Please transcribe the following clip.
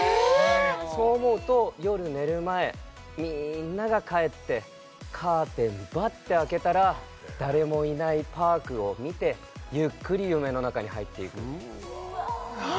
そう思うと夜寝る前みーんなが帰ってカーテンバッて開けたら誰もいないパークを見てゆっくり夢の中に入っていくうっわ